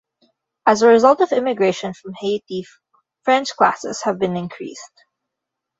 As a result of immigration from Haiti, French classes have been increased.